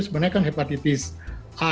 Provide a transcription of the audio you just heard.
sebenarnya kan hepatitis a